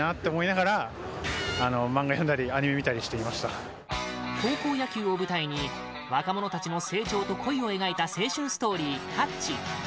第３位は高校野球を舞台に若者たちの成長と恋を描いた青春ストーリー「タッチ」